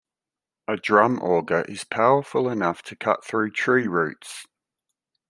A drum auger is powerful enough to cut through tree roots.